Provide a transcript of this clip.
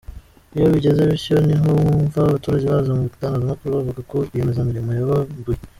Iyo bigenze bityo niho mwumva abaturage baza mu itangazamakuru bavuga ko rwiyemezamirimo yabambuye.